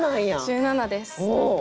１７です。